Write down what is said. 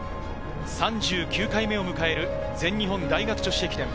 ３９回目を迎える全日本大学女子駅伝。